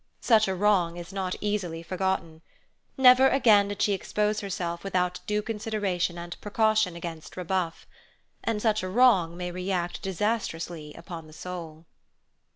Such a wrong is not easily forgotten. Never again did she expose herself without due consideration and precaution against rebuff. And such a wrong may react disastrously upon the soul.